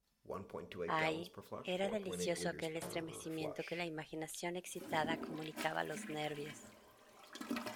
¡ ay, era delicioso aquel estremecimiento que la imaginación excitada comunicaba a los nervios!...